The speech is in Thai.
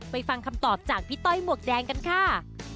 ฟังคำตอบจากพี่ต้อยหมวกแดงกันค่ะ